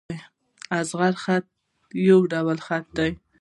طغرا خط، د خط یو ډول دﺉ.